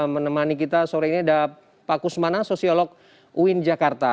menemani kita sore ini ada pak kusmana sosiolog uin jakarta